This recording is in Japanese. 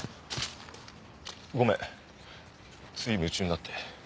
ごめんつい夢中になって。